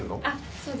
そうです。